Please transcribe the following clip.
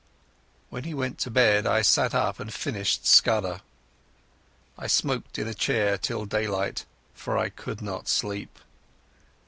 When he went to bed I sat up and finished Scudder. I smoked in a chair till daylight, for I could not sleep.